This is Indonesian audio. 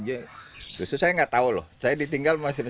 justru saya gak tau loh saya ditinggal masih kecil